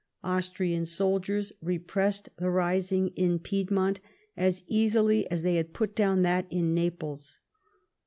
Austrian soldiers repressed the rising in Piedmont as easily as they had put down that in Naples.